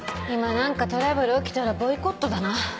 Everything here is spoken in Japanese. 今何かトラブル起きたらボイコットだな。